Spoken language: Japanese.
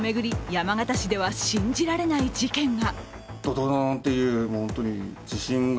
山形市では信じられない事件が。